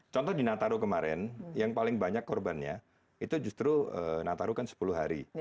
contoh di nataru kemarin yang paling banyak korbannya itu justru nataru kan sepuluh hari